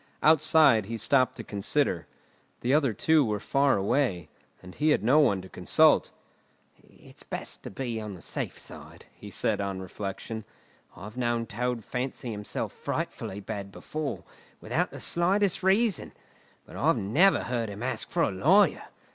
Outside, he stopped to consider. The other two were far away, and he had no one to consult. "It's best to be on the safe side," he said, on reflection. "I've known Toad fancy himself frightfully bad before, without the slightest reason; but I've never heard him ask for a lawyer!